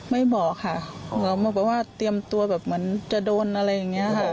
ไม่บอกค่ะเราบอกว่าเตรียมตัวแบบเหมือนจะโดนอะไรอย่างนี้ค่ะ